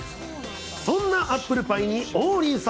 そんなアップルパイに王林さ